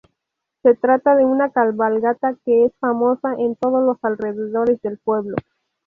Se trata de una cabalgata que es famosa en todos los alrededores del pueblo.